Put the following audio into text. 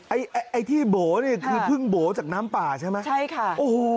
ไอ้ที่โบ๋นี่คือเพิ่งโบ๋จากน้ำป่าใช่ไหมโอ้โฮใช่ค่ะ